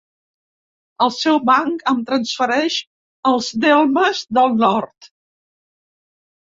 El seu banc em transfereix els delmes del nord.